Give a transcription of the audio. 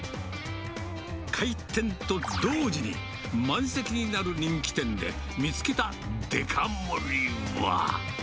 開店と同時に、満席になる人気店で見つけたデカ盛りは。